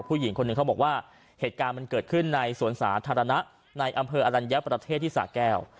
ผู้หญิงคนหนึ่งเขาบอกว่าเหตุการณ์มันเกิดขึ้นในสวนสาธารณะในอำเภออรัญญประเทศที่สาแก้ว